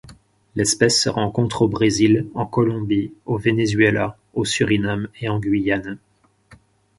L'espèce se rencontre au Brésil, en Colombie, au Venezuela, au Suriname et en Guyane.